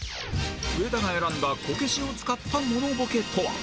上田が選んだこけしを使ったモノボケとは？